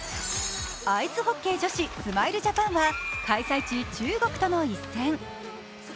アイスホッケー女子、スマイルジャパンは開催地中国との一戦。